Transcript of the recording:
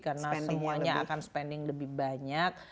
karena semuanya akan spending lebih banyak